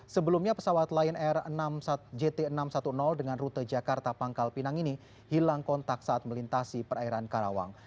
sebelumnya pesawat lion air jt enam ratus sepuluh dengan rute jakarta pangkal pinang ini hilang kontak saat melintasi perairan karawang